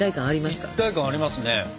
一体感ありますね。